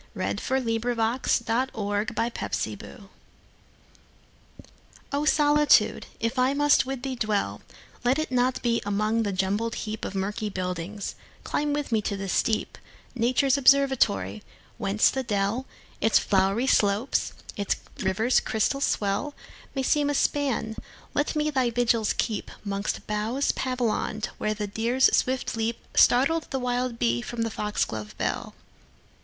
1884. 20. O Solitude! if I must with thee dwell O SOLITUDE! if I must with thee dwell, Let it not be among the jumbled heapOf murky buildings; climb with me the steep,—Nature's observatory—whence the dell, Its flowery slopes, its river's crystal swell, May seem a span; let me thy vigils keep'Mongst boughs pavillion'd, where the deer's swift leapStartles the wild bee from the fox glove bell.